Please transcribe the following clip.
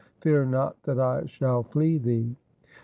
Fear not that I shall flee thee.'